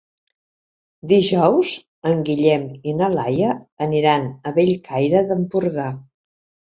Dijous en Guillem i na Laia aniran a Bellcaire d'Empordà.